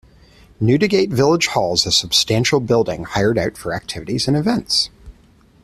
Newdigate village hall is a substantial building hired out for activities and events.